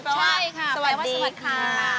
ใช่ค่ะแปลว่าสวัสดีค่ะ